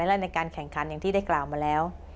และในการแข่งขันอย่างที่ได้กล่าวมาแล้ว